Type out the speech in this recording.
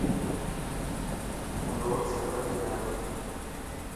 هون روز شربت پيان ٿو.